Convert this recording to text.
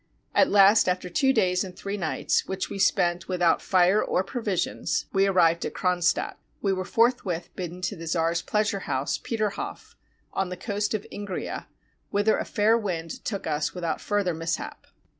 At last, after two days and three nights, which we spent without fire or provisions, we arrived * A square rigged vessel. lOI RUSSIA at Cronstadt. We were forthwith bidden to the czar's pleasure house, Peterhof , on the coast of Ingria, whither a fair wind took us without further mishap.